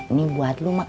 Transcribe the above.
ini buat lu mak